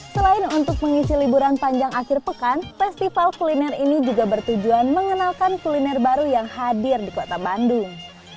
selain untuk mengisi liburan panjang akhir pekan festival kuliner ini juga bertujuan mengenalkan kuliner baru yang hadir di kota bandung